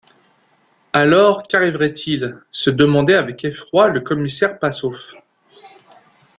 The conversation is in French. Alors qu’arriverait-il? se demandait avec effroi le commissaire Passauf.